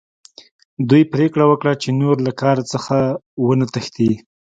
دوی پریکړه وکړه چې نور له کار څخه ونه تښتي